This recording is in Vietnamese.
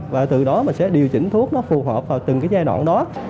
và từ đó mình sẽ điều chỉnh thuốc nó phù hợp vào từng cái giai đoạn đó